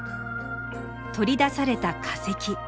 取り出された化石。